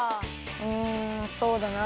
うんそうだな。